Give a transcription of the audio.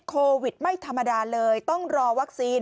โควิดไม่ธรรมดาเลยต้องรอวัคซีน